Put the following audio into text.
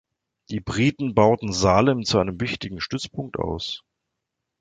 Die Briten bauten Salem zu einem wichtigen Stützpunkt aus.